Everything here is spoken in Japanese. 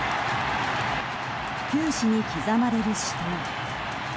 球史に刻まれる死闘。